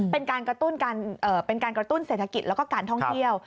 เป็นการกระตุ้นเศรษฐกิจแล้วก็การท่องเที่ยว